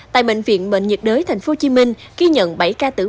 tại bệnh viện bệnh nhiệt đới tp hcm ghi nhận bảy ca tử vong